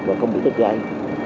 và không bị tích gai